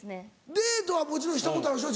デートはもちろんしたことあるでしょ？